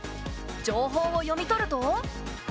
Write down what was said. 情報を読み取ると。